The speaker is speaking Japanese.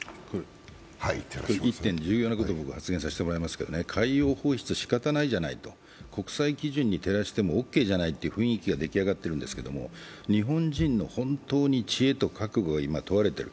１点重要なことを僕は発言させてもらいますけど、海洋放出、しかたないじゃないと国際基準に照らしてもオーケーじゃないという雰囲気ができているんですけど日本人の本当に知恵と覚悟が今、問われている。